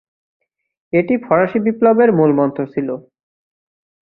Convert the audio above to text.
এটি ফরাসি বিপ্লবের মূলমন্ত্র ছিলো।